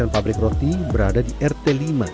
tujuh puluh pabrik roti berada di rt lima